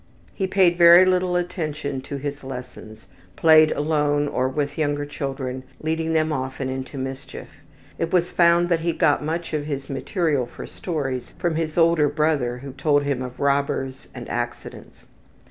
He paid very little attention to his lessons, played alone or with younger children, leading them often into mischief. It was found that he got much of his material for stories from his older brother who told him of robbers and accidents.